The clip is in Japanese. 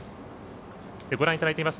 ご覧いただいています